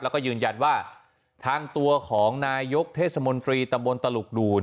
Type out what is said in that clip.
แล้วก็ยืนยันว่าทางตัวของนายกเทศมนตรีตำบลตลุกดูด